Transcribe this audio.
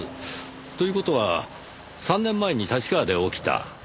という事は３年前に立川で起きた？